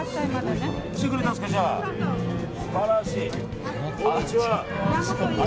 素晴らしい。